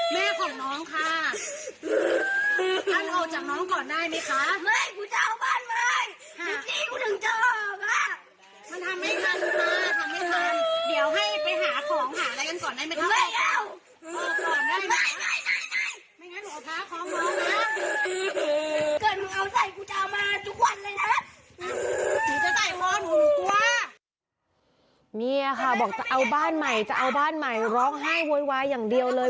เมียค่ะบอกจะเอาบ้านใหม่ร้องไห้โว๊ยอย่างเดียวเลย